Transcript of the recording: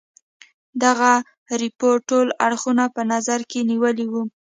دغه رپوټ ټول اړخونه په نظر کې نیولي وه.